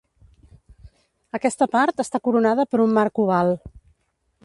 Aquesta part està coronada per un marc oval.